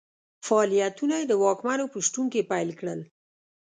فعالیتونه یې د واکمنو په شتون کې پیل کړل.